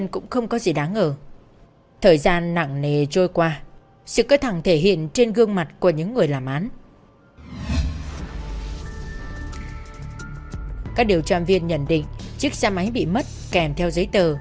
cũng không có dấu vết máu khác của hùng thủ